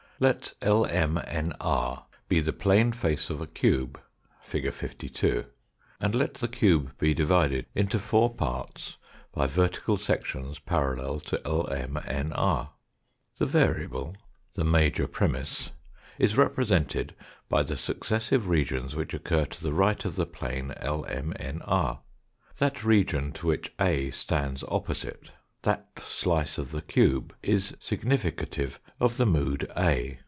Let LMNR be the plane face of a cube, fig. 52, and let the cube be divided into four parts by vertical sections parallel to LMNR. The variable, the major premiss, is re A c '~ 'presented by the successive regions Fig. 52. which occur to the right of the plane LMNR that region to which A stands opposite, that slice of the cube, is significative of the mood A.